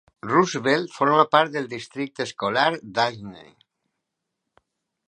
Roosevelt forma part del districte escolar Duchesne.